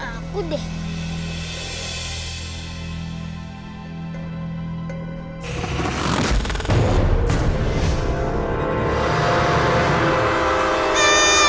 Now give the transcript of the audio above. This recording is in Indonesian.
saya mencari maksudmu